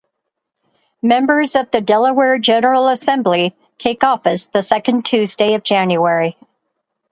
Members of the Delaware General Assembly take office the second Tuesday of January.